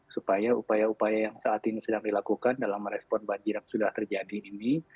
supaya upaya upaya yang saat ini sedang dilakukan dalam merespon banjir yang sudah terjadi ini